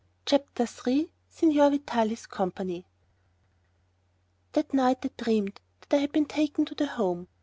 CHAPTER III SIGNOR VITALIS' COMPANY That night I dreamed that I had been taken to the Home.